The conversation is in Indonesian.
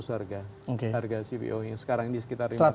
harga cpo nya sekarang ini sekitar lima ratus